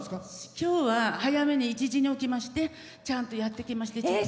今日は早めに１時に起きましてちゃんとやってきまして。